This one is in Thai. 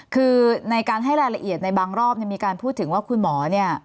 คือในการให้รายละเอียดในบางรอบมีการพูดถึงว่าคุณหมอเนี่ย